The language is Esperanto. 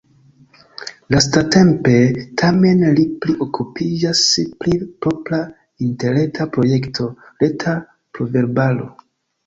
Lastatempe tamen li pli okupiĝas pri propra interreta projekto: reta proverbaro.